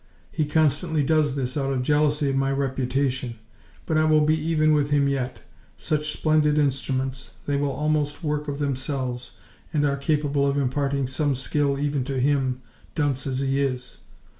He constantly does this, out of jealousy of my reputation; but I will be even with him yet! Such splendid instruments! They will almost work of themselves, and are capable of imparting some skill even to him, dunce as he is!...